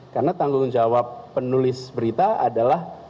karena tanggung jawab penulis berita adalah